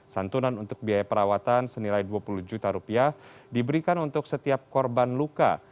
santunan untuk biaya perawatan senilai dua puluh juta rupiah diberikan untuk setiap korban luka